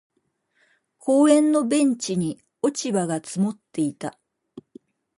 公園のベンチに落ち葉が積もっていた。